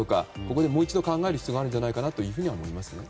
ここでもう一度考える必要があるのではないかと思います。